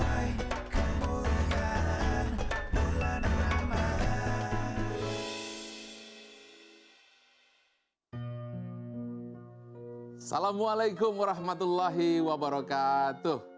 assalamualaikum warahmatullahi wabarakatuh